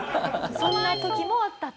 そんな時もあったと。